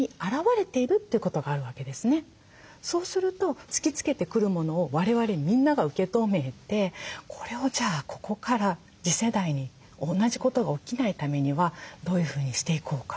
そうすると突きつけてくるものを我々みんなが受け止めてこれをじゃあここから次世代に同じことが起きないためにはどういうふうにしていこうか。